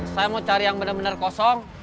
saya mau cari yang bener bener kosong